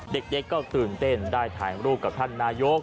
เด็กก็ตื่นเต้นได้ถ่ายรูปกับท่านนายก